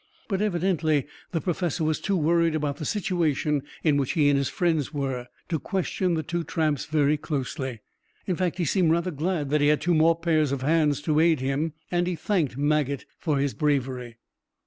But evidently the Professor was too worried about the situation in which he and his friends were, to question the two tramps very closely. In fact, he seemed rather glad that he had two more pairs of hands to aid him and he thanked Maget for his bravery.